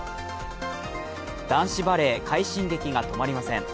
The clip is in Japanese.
男子バレー、快進撃が止まりません。